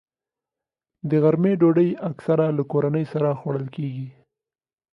د غرمې ډوډۍ اکثره له کورنۍ سره خوړل کېږي